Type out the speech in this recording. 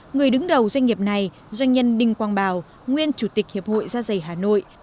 người đứng đầu doanh nghiệp này doanh nhân đinh quang bảo nguyên chủ tịch hiệp hội da dày hà nội